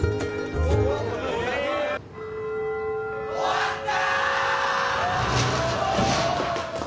・終わった！